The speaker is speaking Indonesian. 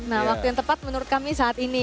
nah waktu yang tepat menurut kami saat ini